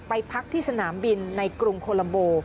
พักที่สนามบินในกรุงโคลัมโบ